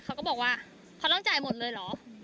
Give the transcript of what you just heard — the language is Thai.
เขาก็บอกว่าเขาต้องจ่ายหมดเลยเหรอ